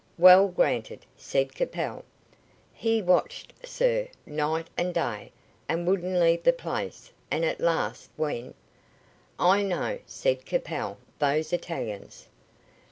"Well, granted," said Capel. "He watched, sir, night and day, and wouldn't leave the place, and at last, when " "I know," said Capel, "those Italians."